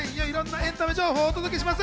エンタメ情報をお届けします。